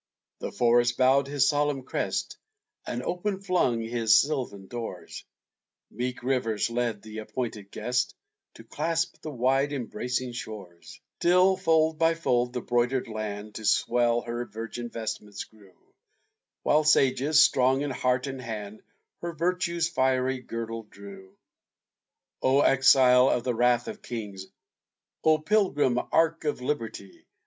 The Forest bowed his solemn crest, And open flung his sylvan doors; Meek Rivers led the appointed guest To clasp the wide embracing shores; Till, fold by fold, the broidered land To swell her virgin vestments grew, While sages, strong in heart and hand, Her virtue's fiery girdle drew. O Exile of the wrath of kings! O Pilgrim Ark of Liberty!